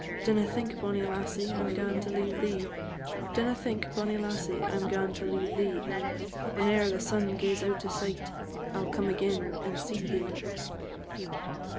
Dinna think, bonnie lassie, I 'm gaun to leave thee; Dinna think, bonnie lassie, I 'm gaun to leave thee; Whene'er the sun gaes out o' sight, I 'll come again and see thee."